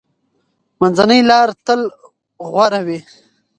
منځنۍ لار تل غوره وي.